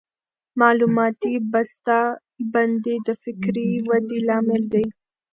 معلوماتي بسته بندي د فکري ودې لامل دی.